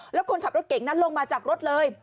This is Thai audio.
แล้วคนขับรถเก่งนั้นลงมาจากรถเลย